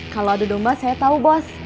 kalau adu domba saya tau bos